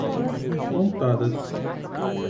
Montadas